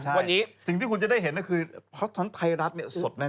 วันนี้ใช่สิ่งที่คุณจะได้เห็นคือพระธรรมไทยรัฐสดแน่